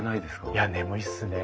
いや眠いっすね。